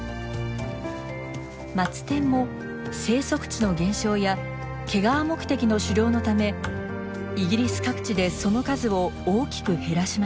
マツテンも生息地の減少や毛皮目的の狩猟のためイギリス各地でその数を大きく減らしました。